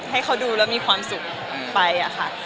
ให้เขาดูแล้วมีความสุขไปค่ะ